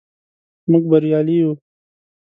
موږ بریالي یو.